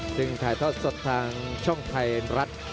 ซึ่งถ่ายทอดสดทางช่องไทยรัฐ